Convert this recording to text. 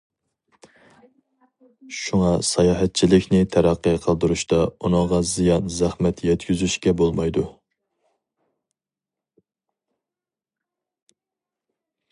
شۇڭا ساياھەتچىلىكنى تەرەققىي قىلدۇرۇشتا ئۇنىڭغا زىيان- زەخمەت يەتكۈزۈشكە بولمايدۇ.